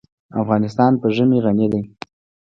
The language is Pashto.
افغانستان په ژمی غني دی.